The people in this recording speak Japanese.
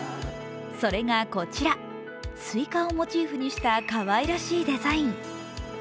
それがこちら、すいかをモチーフにした、かわいらしいデザイン。